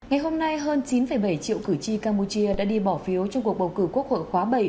ngày hôm nay hơn chín bảy triệu cử tri campuchia đã đi bỏ phiếu trong cuộc bầu cử quốc hội khóa bảy